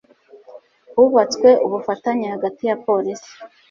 hubatswe ubufatanye hagati ya polisi